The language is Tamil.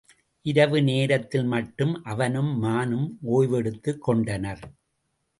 இரவு நேரத்தில் மட்டும் அவனும் மானும் ஓய்வெடுத்துக் கொண்டனர்.